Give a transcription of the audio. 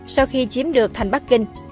sau khi chiếm được thành bắc kinh